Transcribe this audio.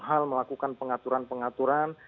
hal melakukan pengaturan pengaturan